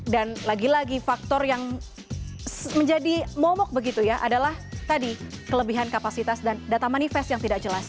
dan lagi lagi faktor yang menjadi momok begitu ya adalah tadi kelebihan kapasitas dan data manifest yang tidak jelas